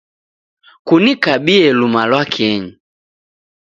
Kunikabie lumalwakenyi.